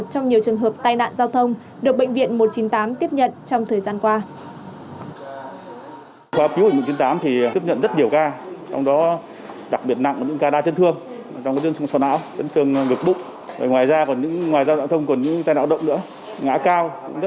đây là một trong nhiều trường hợp tai nạn giao thông được bệnh viện một trăm chín mươi tám tiếp nhận trong thời gian qua